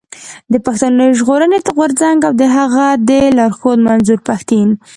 د پښتون ژغورني غورځنګ او د هغه د لارښود منظور پښتين.